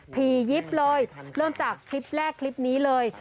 ผียิบเลยเริ่มจากคลิปแรกคลิปนี้เลย